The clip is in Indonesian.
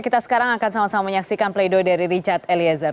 kita sekarang akan sama sama menyaksikan play doh dari richard eliezer